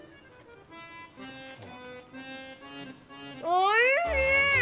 おいしい！